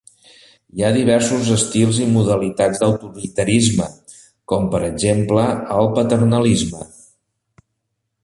Hi ha diversos estils i modalitats d'autoritarisme, com per exemple el paternalisme.